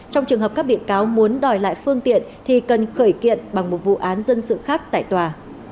trong trường hợp các bị cáo muốn đòi lại phương tiện thì cần khởi kiện bằng một vụ án dân sự khác tại tòa